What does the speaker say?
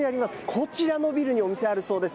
こちらのビルにお店あるそうです。